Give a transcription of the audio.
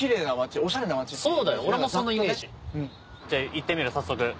じゃあ行ってみる？